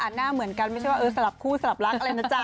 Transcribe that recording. หน้าเหมือนกันไม่ใช่ว่าเออสลับคู่สลับรักอะไรนะจ๊